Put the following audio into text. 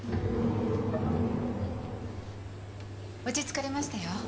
・落ち着かれましたよ。